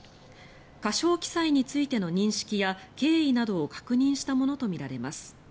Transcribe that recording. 過少記載についての認識や経緯などを確認したものとみられます。